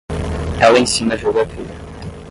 Ela ensina geografia.